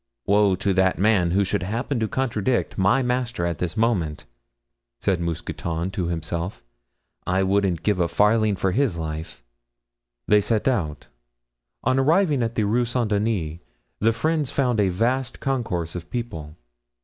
"Woe to that man who should happen to contradict my master at this moment," said Mousqueton to himself; "I wouldn't give a farthing for his life." They set out. On arriving at the Rue Saint Denis, the friends found a vast concourse of people.